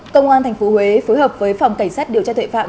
công an thành phố huế phối hợp với phòng cảnh sát điều tra thuệ phạm